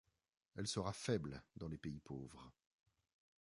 Elle sera faible dans les pays pauvres.